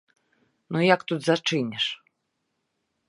Ну, як тут зачыніш?